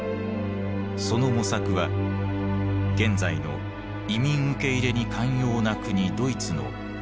その模索は現在の移民受け入れに寛容な国ドイツの素地となっていく。